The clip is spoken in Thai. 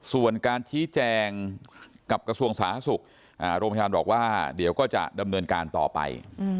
ส่วนการชี้แจงกับกระทรวงสาธารณสุขโรงพยาบาลบอกว่าเดี๋ยวก็จะดำเนินการต่อไป